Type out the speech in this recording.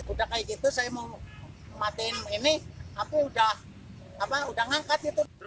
udah kayak gitu saya mau matiin ini aku udah ngangkat itu